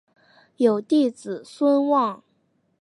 有弟子孙望。